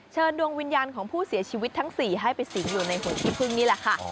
เชิญดวงวิญญาณของผู้เสียชีวิตทั้ง๔ให้ไปสิงอยู่ในหัวขี้พึ่งนี่แหละค่ะ